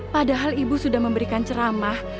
padahal ibu sudah memberikan ceramah